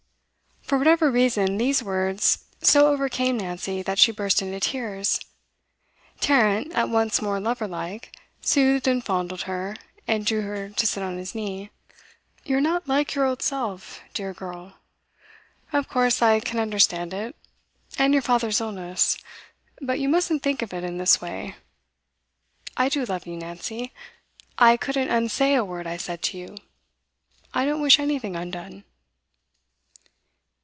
For whatever reason, these words so overcame Nancy that she burst into tears. Tarrant, at once more lover like, soothed and fondled her, and drew her to sit on his knee. 'You're not like your old self, dear girl. Of course, I can understand it. And your father's illness. But you mustn't think of it in this way. I do love you, Nancy. I couldn't unsay a word I said to you I don't wish anything undone.